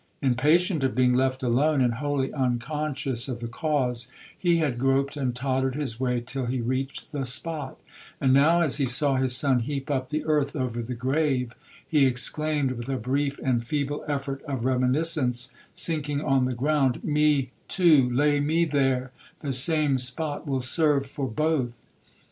Impatient of being left alone, and wholly unconscious of the cause, he had groped and tottered his way till he reached the spot; and now, as he saw his son heap up the earth over the grave, he exclaimed, with a brief and feeble effort of reminiscence, sinking on the ground, 'Me, too,—lay me there, the same spot will serve for both!'